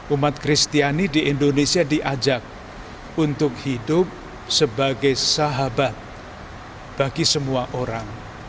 umat kristiani di indonesia diajak untuk hidup sebagai sahabat bagi semua orang